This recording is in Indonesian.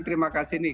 terima kasih nih